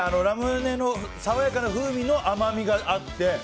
ラムネの爽やかな風味の甘みがあって。